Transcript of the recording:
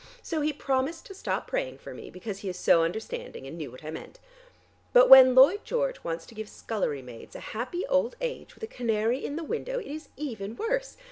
So he promised to stop praying for me, because he is so understanding and knew what I meant. But when Lloyd George wants to give scullery maids a happy old age with a canary in the window it is even worse.